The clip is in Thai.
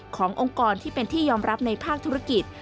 องค์กรที่เป็นที่ยอมรับในภาคธุรกิจ